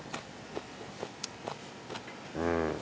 うん。